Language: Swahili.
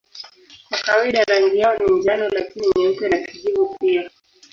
Kwa kawaida rangi yao ni njano lakini nyeupe na kijivu pia.